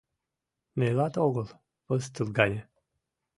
Нелат огыл, пыстыл гане.